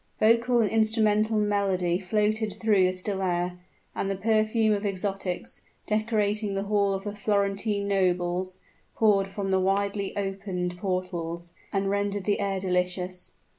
Vocal and instrumental melody floated through the still air; and the perfume of exotics, decorating the halls of the Florentine nobles, poured from the widely opened portals, and rendered the air delicious.